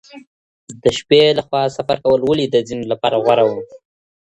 د شپې له خوا سفر کول ولې د ځینو لپاره غوره و؟